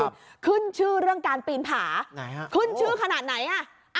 ขึ้นชื่อเรื่องการปีนผาไหนฮะขึ้นชื่อขนาดไหนอ่ะ